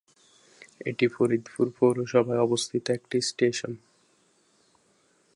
এটি ফরিদপুর পৌরসভায় অবস্থিত একটি স্টেশন।